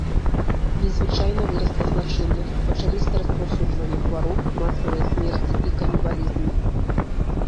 Незвычайна вырасла злачыннасць, пачаліся распаўсюджванне хвароб, масавыя смерці і канібалізм.